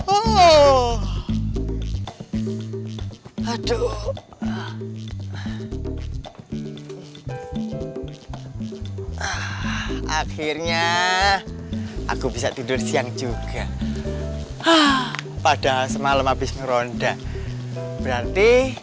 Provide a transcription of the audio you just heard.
oh aduh akhirnya aku bisa tidur siang juga ah padahal semalam habis meronda berarti